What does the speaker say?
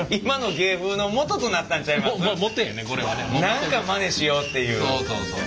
何かまねしようっていう。